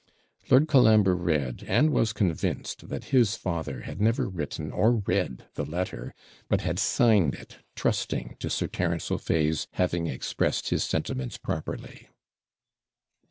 Lord Colambre read, and was convinced that his father had never written or read the letter, but had signed it, trusting to Sir Terence O'Fay's having expressed his sentiments properly.